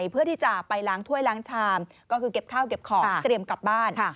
เพื่อที่จะไปล้างถ้วยล้างชามก็คือเก็บข้าวเก็บของเตรียมกลับบ้าน